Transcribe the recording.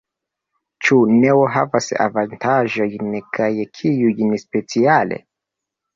Ĉu Neo havas avantaĝojn kaj kiujn speciale?